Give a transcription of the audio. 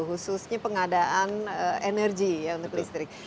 khususnya pengadaan energi ya untuk listrik